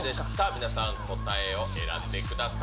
皆さん、答えを選んでください。